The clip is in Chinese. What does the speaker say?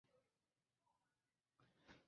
坤下坎上。